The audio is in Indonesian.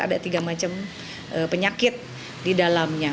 ada tiga macam penyakit di dalamnya